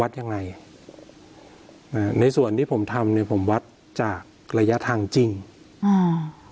ยังไงอ่าในส่วนที่ผมทำเนี้ยผมวัดจากระยะทางจริงอ่า